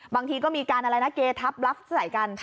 บางทีก็มีการอะไรนะเกทับรับใส่กัน